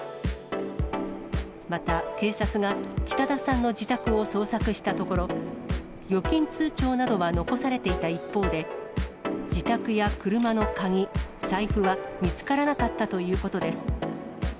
また、警察が北田さんの自宅を捜索したところ、預金通帳などは残されていた一方で、自宅や車の鍵、財布は見つからなかったということです。